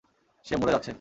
সে মরে যাচ্ছে।